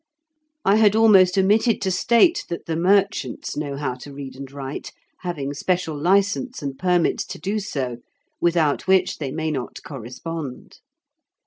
I had almost omitted to state that the merchants know how to read and write, having special license and permits to do so, without which they may not correspond.